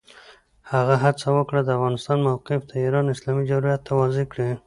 هغه هڅه وکړه، د افغانستان موقف د ایران اسلامي جمهوریت ته واضح کړي.